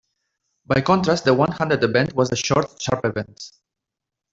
By contrast, the one-handed event was a short, sharp event.